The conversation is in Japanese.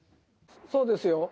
そうですよ。